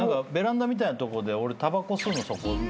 ベランダみたいなとこで俺たばこ吸うのそこ。